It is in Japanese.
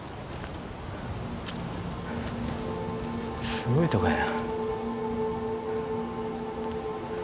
すごいとこや。